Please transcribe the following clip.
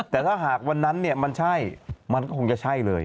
แต่ถ้าหากวันนั้นมันใช่มันก็คงจะใช่เลย